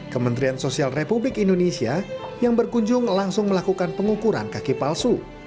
kementerian sosial republik indonesia yang berkunjung langsung melakukan pengukuran kaki palsu